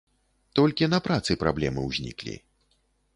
Толькі на працы праблемы ўзніклі.